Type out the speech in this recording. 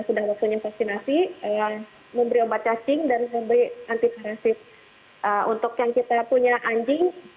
sudah waktunya vaksinasi memberi obat cacing dan memberi antiparasit untuk yang kita punya anjing